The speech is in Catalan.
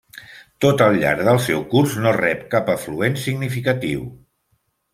Tot al llarg del seu curs no rep cap afluent significatiu.